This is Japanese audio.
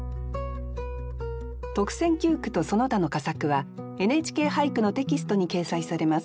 特選九句とその他の佳作は「ＮＨＫ俳句」のテキストに掲載されます。